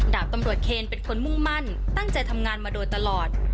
ดาบตำรวจเคนเป็นคนมุ่งมั่นตั้งใจทำงานมาโดยตลอด